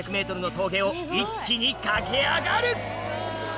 峠を一気に駆け上がる！